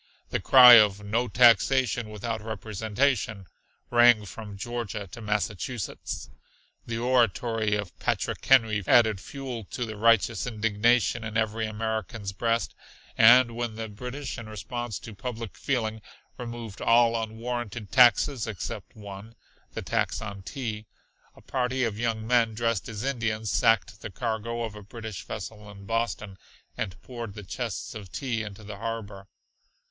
The cry of "no taxation without representation" rang from Georgia to Massachusetts. The oratory of Patrick Henry added fuel to the righteous indignation in every American's breast, and when the British in response to public feeling removed all unwarranted taxes except one the tax on tea, a party of young men dressed as Indians sacked the cargo of a British vessel in Boston, and poured the chests of tea into the harbor.